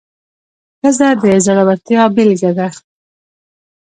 ښځه د زړورتیا بیلګه ده.